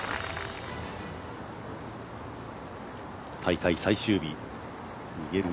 大会最終日、逃げる